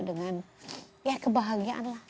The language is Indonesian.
dengan ya kebahagiaan lah